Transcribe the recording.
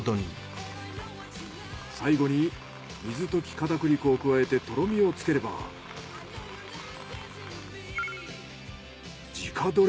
最後に水溶き片栗粉を加えてとろみをつければ自家採れ